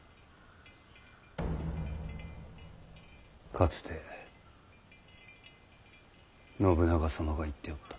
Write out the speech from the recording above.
かつて信長様が言っておった。